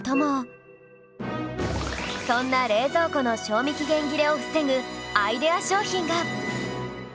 そんな冷蔵庫の賞味期限切れを防ぐアイデア商品が